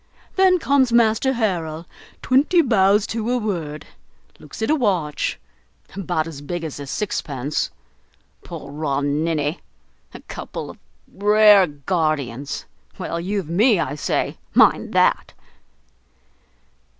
Then comes Master Harrel twenty bows to a word, looks at a watch, about as big as a sixpence, poor raw ninny! a couple of rare guardians! Well, you've me, I say; mind that!"